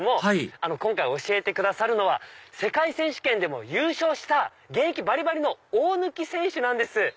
はい今回教えてくださるのは世界選手権でも優勝した現役バリバリの大貫選手なんです。